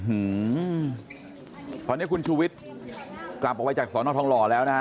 หือตอนนี้คุณชูวิทย์กลับออกไปจากสอนอทองหล่อแล้วนะฮะ